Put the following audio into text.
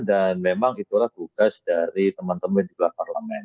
dan memang itulah tugas dari teman teman di belakang parlamen